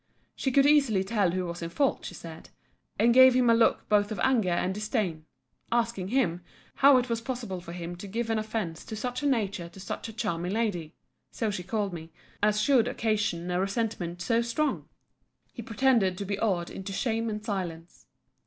She could easily tell who was in fault, she said. And gave him a look both of anger and disdain; asking him, How it was possible for him to give an offence of such a nature to so charming a lady, [so she called me,] as should occasion a resentment so strong? He pretended to be awed into shame and silence.